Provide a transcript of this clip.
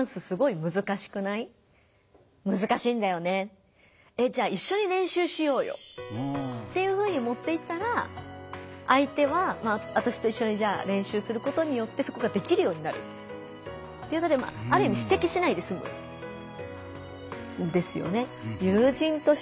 「むずかしいんだよね」。っていうふうに持っていったら相手は私と一緒にじゃあ練習することによってそこができるようになるということである意味指摘しないですむんですよね。